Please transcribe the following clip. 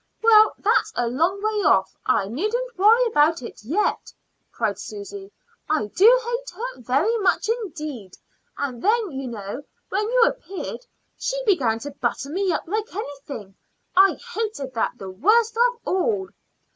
"Well, that's a long way off; I needn't worry about it yet," cried Susy. "I do hate her very much indeed. And then, you know, when you appeared she began to butter me up like anything. I hated that the worst of all."